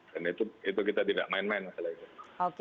dan itu kita tidak main main masalah itu